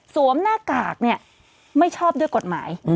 สวมหน้ากากไม่ชอบด้วยกฎหมาย